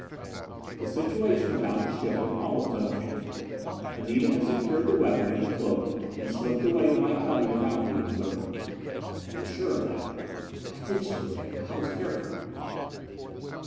The situation about the ship was almost unchanged. Anita had secured the weapon and the cloak and slipped away to my cubby without being observed. "You're sure of that?" "I think so, Gregg. I was careful."